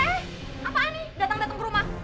eh apaan nih datang datang ke rumah